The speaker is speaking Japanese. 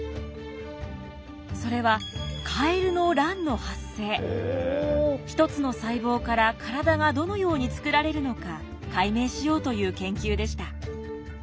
それは１つの細胞から体がどのように作られるのか解明しようという研究でした。